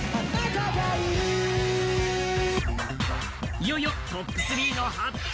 いよいよトップ３の発表。